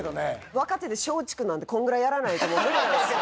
若手で松竹なんでこのぐらいやらないともう無理なんですよ。